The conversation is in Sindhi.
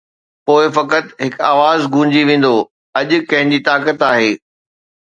پوءِ فقط هڪ آواز گونجي ويندو: ’اڄ ڪنهن جي طاقت آهي‘؟